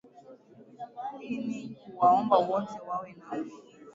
di ni kuwaomba wote wawe na